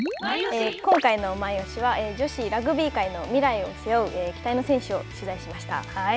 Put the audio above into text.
今回のマイオシは女子ラグビー界の未来を背負う期待の選手を取材しました。